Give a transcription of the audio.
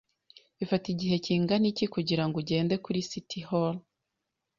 Bifata igihe kingana iki kugirango ugende kuri City Hall?